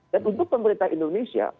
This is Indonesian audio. dan untuk pemerintah indonesia